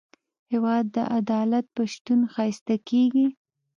هېواد د عدالت په شتون ښایسته کېږي.